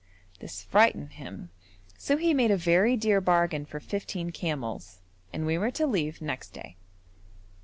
This frightened him, so he made a very dear bargain for fifteen camels, and we were to leave next day.